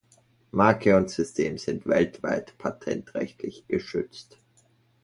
Marke und System sind weltweit patentrechtlich geschützt.